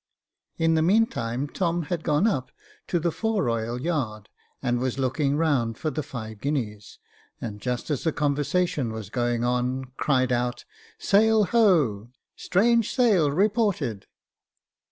In the meantime Tom had gone up to the fore royal yard, and was looking round for the five guineas, and just as the conversation was going on, cried out, " Sail ho !"" Strange sail reported."